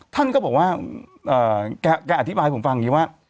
ท่านก็บอกว่าแกอธิบายผมฟังอย่างนี้ว่า